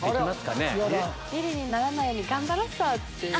ビリにならないように頑張ろっさ！って言う？